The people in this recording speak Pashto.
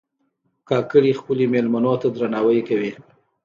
کاکړي خپلو مېلمنو ته درناوی کوي.